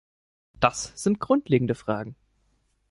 Das sind grundlegende Fragen.